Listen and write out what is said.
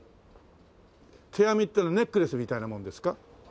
手編みっていうのはネックレスみたいなもんですか？